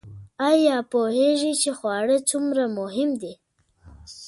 ایا پوهیږئ چې خواړه څومره مهم دي؟